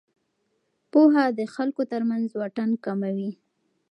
پوهه د خلکو ترمنځ واټن کموي.